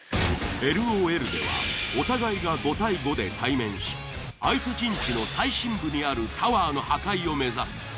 「ＬｏＬ」ではお互いが５対５で対面し相手陣地の最深部にあるタワーの破壊を目指す。